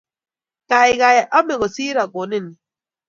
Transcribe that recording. kakai ame kosir akonin ni.